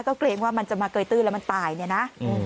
ก็เกรงว่ามันจะมาเกยตื้นแล้วมันตายเนี่ยนะ